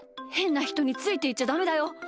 へんなひとについていっちゃダメだよ。